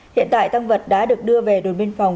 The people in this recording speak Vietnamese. hiện tại tăng vật đã được đưa về đồn biên phòng